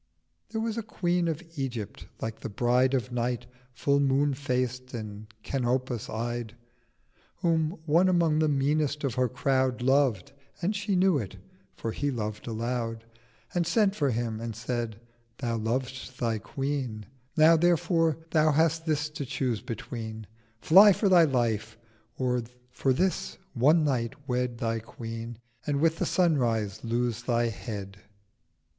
There was a Queen of Egypt like the Bride Of Night, Full moon faced and Canopus eyed, Whom one among the meanest of her Crowd Loved—and she knew it (for he loved aloud), And sent for him, and said 'Thou lov'st thy Queen: Now therefore Thou hast this to choose between: Fly for thy Life: or for this one night Wed Thy Queen, and with the Sunrise lose thy Head.'